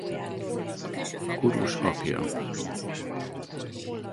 Kurus apja.